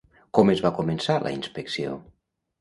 Com es va començar la inspecció?